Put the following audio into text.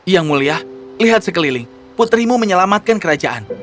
yang mulia lihat sekeliling putrimu menyelamatkan kerajaan